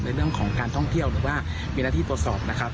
ในเรื่องของการท่องเที่ยวหรือว่ามีหน้าที่ตรวจสอบนะครับ